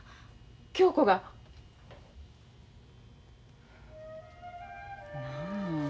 恭子が？なあ